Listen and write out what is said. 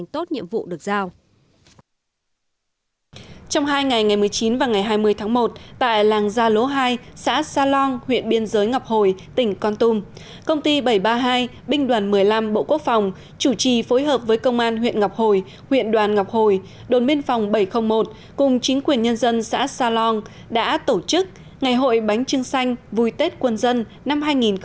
trong hai ngày một mươi chín và hai mươi tháng một tại làng gia lố hai xã sa long huyện biên giới ngọc hồi tỉnh con tum công ty bảy trăm ba mươi hai binh đoàn một mươi năm bộ quốc phòng chủ trì phối hợp với công an huyện ngọc hồi huyện đoàn ngọc hồi đồn biên phòng bảy trăm linh một cùng chính quyền nhân dân xã sa long đã tổ chức ngày hội bánh trưng xanh vui tết quân dân năm hai nghìn một mươi bảy